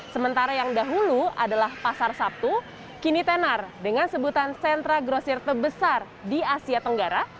sementara yang dahulu adalah pasar sabtu kini tenar dengan sebutan sentra grosir terbesar di asia tenggara